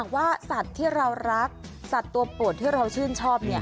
ว่าสัตว์ที่เรารักสัตว์ตัวโปรดที่เราชื่นชอบ